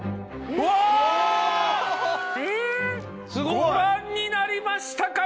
ご覧になりましたか？